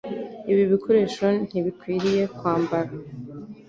Ibi bikoresho ntibikwiriye kwambara.